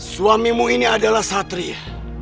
suamimu ini adalah satria